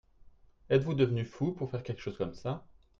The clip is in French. Êtes-vous devenu fou pour faire quelque chose comme ça ?